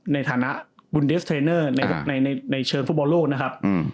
ในฐานะบุญเดสเทรนเนอร์ในเชิงฟุตบอลโลกนะครับ